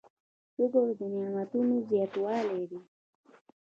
شکر د نعمتونو زیاتوالی دی.